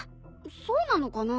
そうなのかな？